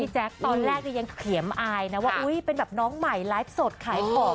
พี่แจ๊คตอนแรกดิยังเขี่ยมอายนะว่าเป็นแบบน้องใหม่ไลฟ์สดขายผก